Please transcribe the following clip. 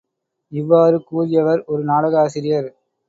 இவ்வாறு கூறியவர் ஒரு நாடக ஆசிரியர்.